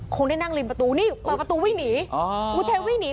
คงได้นั่งริมประตูนี่เปล่าประตูวิ่งหนี